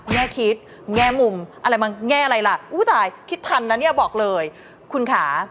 แง่คิดแง่มุมอะไรบางแง่อะไรล่ะอุ้ยตายคิดทันนะเนี่ยบอกเลยคุณค่ะ